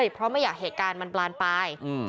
เพราะไม่อยากเหตุการณ์มันบานปลาย